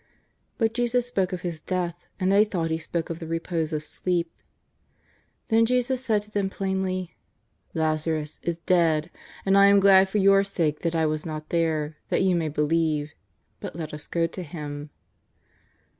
'' But Jesus spoke of his death, and they thought He spoke of the repose of sleep. Then Jesus said to them plainly :" Lazarus is dead, and I am glad for your sakes that I was not there, that you may believe. But let us go to him."